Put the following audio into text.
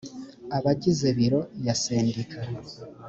abagize biro ya sendika